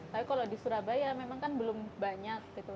tapi kalau di surabaya memang kan belum banyak gitu